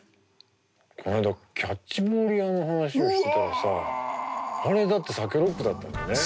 この間「キャッチボール屋」の話をしてたらさあれだってＳＡＫＥＲＯＣＫだったんだね。